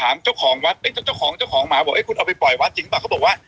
แล้วทำไมเขาเลี้ยงมาทั้งเจ็ดแปดตัว